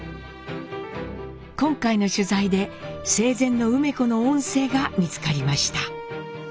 今回の取材で生前の梅子の音声が見つかりました。